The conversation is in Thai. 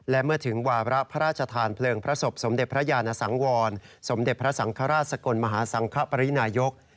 และเมื่อถึงวาระพระราชทานเพลิงพระศพสมเด็จพระยานสังวรสมเด็จพระสังฆราชสกลมหาสังคปรินายก